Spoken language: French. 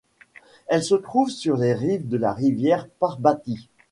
Elle se trouve sur les rives de la rivière Parbati.